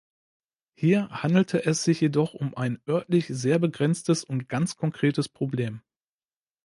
Hier handelte es sich jedoch um ein örtlich sehr begrenztes und ganz konkretes Problem.